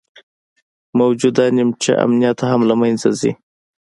موجوده نیمچه امنیت هم له منځه ځي